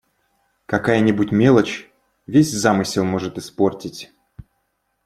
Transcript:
Какая-нибудь мелочь, весь замысел может испортить!